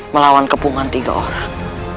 melawan kepungan tiga orang